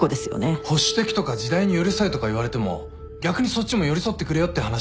保守的とか時代に寄り添えとか言われても逆にそっちも寄り添ってくれよって話で。